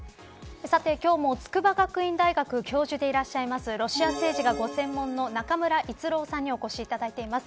今日も筑波学院大学教授でいらっしゃいますロシア政治がご専門の中村逸郎さんにお越しいただいています。